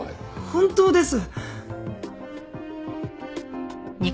本当です！